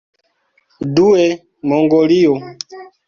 Due, Mongolio.